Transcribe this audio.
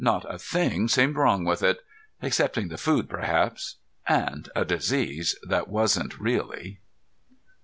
Not a thing seemed wrong with it. Excepting the food, perhaps. And a disease that wasn't really.